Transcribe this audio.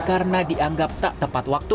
karena dianggap tak tepat waktu